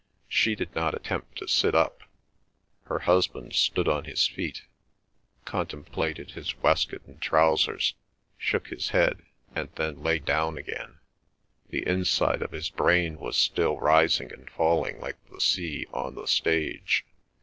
She did not attempt to sit up; her husband stood on his feet, contemplated his waistcoat and trousers, shook his head, and then lay down again. The inside of his brain was still rising and falling like the sea on the stage.